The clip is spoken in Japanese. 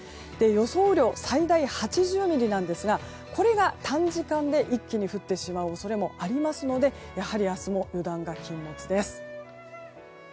予想雨量最大８０ミリなんですがこれが短時間で一気に降ってしまう恐れもありますのでやはり明日も油断が禁物です。